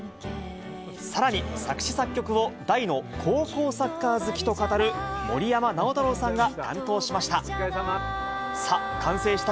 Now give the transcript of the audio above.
さらに作詞作曲を大の高校サッカー好きと語る森山直太朗さんが担当しました。